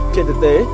trên thực tế